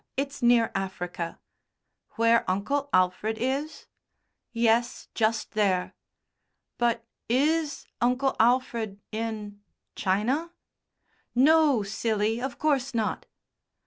It's near Africa." "Where Uncle Alfred is?" "Yes, just there." "But is Uncle Alfred in China?" "No, silly, of course not."